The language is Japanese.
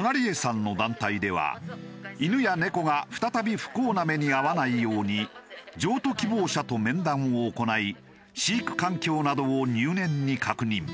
東江さんの団体では犬や猫が再び不幸な目に遭わないように譲渡希望者と面談を行い飼育環境などを入念に確認。